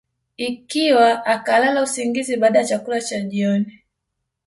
Ikiwa akalala usingizi baada ya chakula cha jioni